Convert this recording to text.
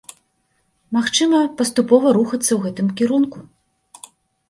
Магчыма, паступова рухацца ў гэтым кірунку.